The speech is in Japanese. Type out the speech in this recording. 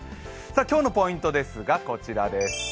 今日のポイントですが、こちらです。